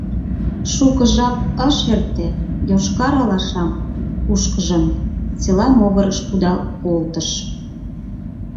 Шуко жапат ыш эрте, йошкар алашам кушкыжын, села могырыш кудал колтыш.